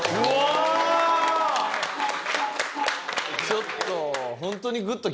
ちょっと。